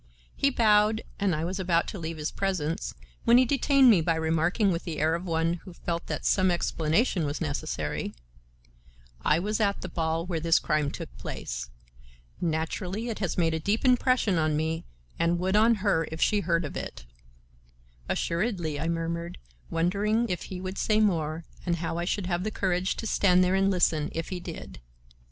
He bowed and I was about to leave his presence, when he detained me by remarking with the air of one who felt that some explanation was necessary: "I was at the ball where this crime took place. Naturally it has made a deep impression on me and would on her if she heard of it." "Assuredly," I murmured, wondering if he would say more and how I should have the courage to stand there and listen if he did.